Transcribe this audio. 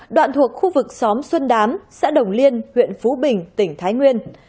đoạn thuộc khu vực xóm xuân đám xã đồng liên huyện phú bình tỉnh thái nguyên